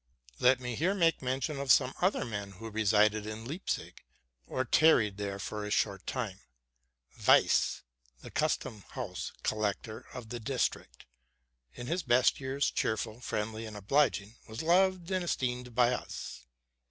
Let me here make mention of some other men who resided in Leipzig, or tarried there for a short time. Weisse, the custom house collector of the district, in his best years, cheerful, friendly, and obliging, was loved and esteemed *,, us.